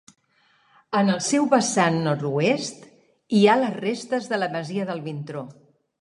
En el seu vessant nord-oest hi ha les restes de la masia del Vintró.